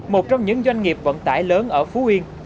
một trong những doanh nghiệp vận tải lớn ở phú yên